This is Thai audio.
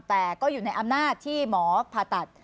แต่ก็อยู่ในอำนาจที่หมอผ่าตัด